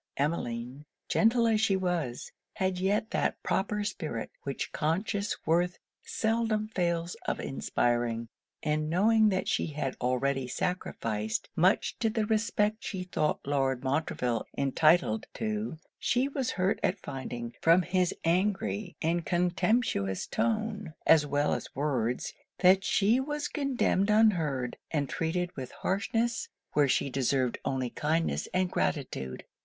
Emmeline, gentle as she was, had yet that proper spirit which conscious worth seldom fails of inspiring: and knowing that she had already sacrificed much to the respect she thought Lord Montreville entitled to, she was hurt at finding, from his angry and contemptuous tone, as well as words, that she was condemned unheard, and treated with harshness where she deserved only kindness and gratitude.